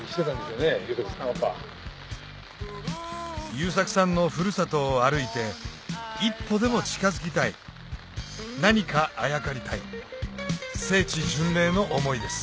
優作さんのふるさとを歩いて一歩でも近づきたい何かあやかりたい聖地巡礼の思いです